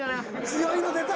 強いの出た。